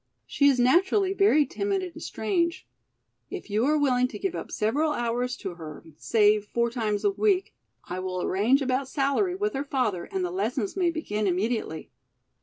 She is naturally very timid and strange. If you are willing to give up several hours to her, say four times a week, I will arrange about salary with her father and the lessons may begin immediately."